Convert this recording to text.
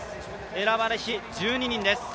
選ばれし１２人です。